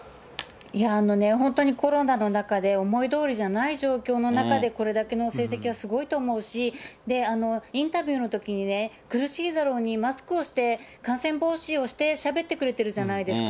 いや、本当にコロナの中で思いどおりじゃない状況の中で、これだけの成績はすごいと思うし、インタビューのときにね、苦しいだろうに、マスクをして、感染防止をしてしゃべってくれてるじゃないですか。